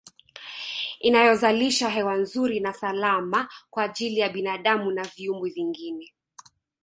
Inayozalisha hewa nzuri na salama kwa ajili ya binadamu na viumbe vingine